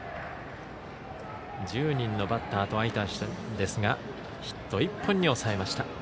１０人のバッターと相対しましたがヒット１本に抑えました。